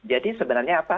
jadi sebenarnya apa